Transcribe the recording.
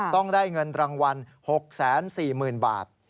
ต้องได้เงินรางวัล๖๔๐๐๐บาท